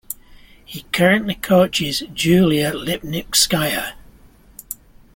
He currently coaches Julia Lipnitskaya.